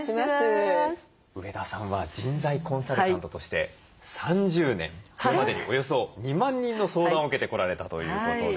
上田さんは人材コンサルタントとして３０年今までにおよそ２万人の相談を受けてこられたということで。